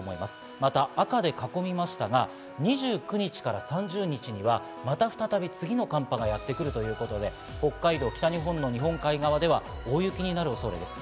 また赤で囲みましたが、２９日から３０日にはまた再び、次の寒波がやってくるということで北海道、北日本の日本海側では大雪になる恐れです。